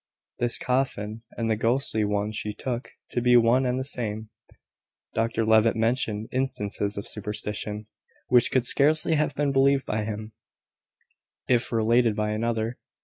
This coffin and the ghostly one she took to be one and the same. Dr Levitt mentioned instances of superstition, which could scarcely have been believed by him, if related by another.